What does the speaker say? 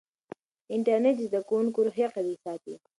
انټرنیټ د زده کوونکو روحیه قوي ساتي.